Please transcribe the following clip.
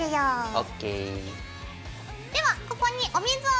ＯＫ。